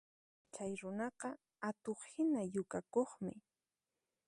Chay runaqa atuqhina yukakuqmi